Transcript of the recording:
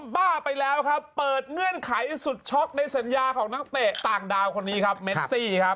บ้าไปแล้วครับเปิดเงื่อนไขสุดช็อกในสัญญาของนักเตะต่างดาวคนนี้ครับเมซี่ครับ